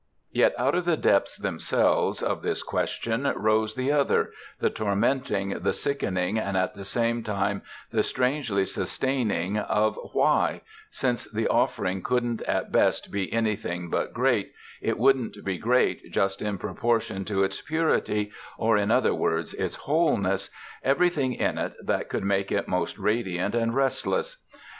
Yet out of the depths themselves of this question rose the other, the tormenting, the sickening and at the same time the strangely sustaining, of why, since the offering couldn't at best be anything but great, it wouldn't be great just in proportion to its purity, or in other words its wholeness, everything in it that could make it most radiant and restless.